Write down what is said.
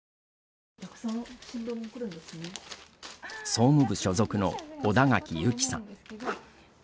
総務部所属の小田垣有紀さん。